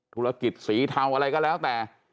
ธุรกิจสีเทาอะไรก็แล้วแต่